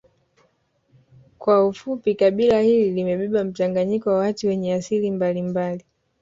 Kwa ufupi kabila hili limebeba mchanganyiko wa watu wenye asili mbalimbali